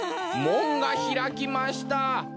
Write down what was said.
もんがひらきました。